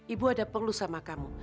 ibu ada perlu sama kamu